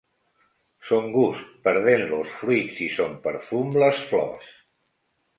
Son gust perden los fruits i son perfum les flors.